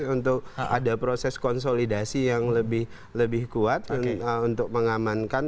untuk ada proses konsolidasi yang lebih kuat untuk mengamankan